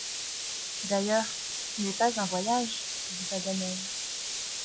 D’ailleurs, ce n’est pas un voyage, dit Paganel.